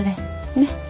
ねっ？